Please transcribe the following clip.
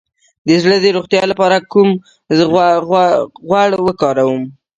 د زړه د روغتیا لپاره کوم غوړ وکاروم؟